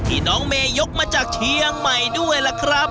น้องเมยกมาจากเชียงใหม่ด้วยล่ะครับ